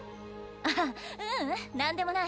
あっううん何でもない